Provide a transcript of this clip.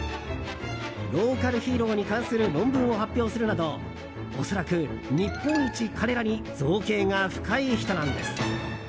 ローカルヒーローに関する論文を発表するなど恐らく、日本一彼らに造詣が深い人なんです。